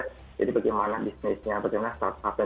jadi bagaimana bisnisnya bagaimana start upnya